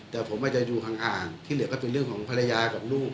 แต่ผมอาจจะดูห่างที่เหลือก็เป็นเรื่องของภรรยากับลูก